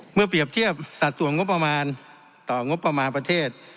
เปรียบเทียบสัดส่วนงบประมาณต่องบประมาณประเทศ